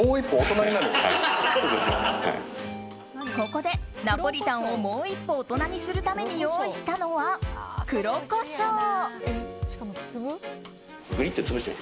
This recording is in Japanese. ここでナポリタンをもう一歩大人にするために用意したのは黒コショウ。